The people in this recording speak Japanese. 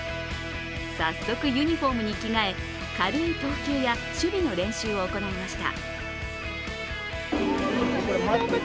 早速、ユニフォームに着替え、軽い投球や守備の練習を行いました。